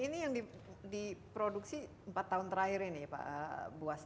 ini yang diproduksi empat tahun terakhir ini pak buas